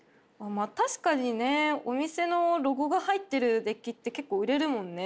まあ確かにねお店のロゴが入ってるデッキって結構売れるもんね。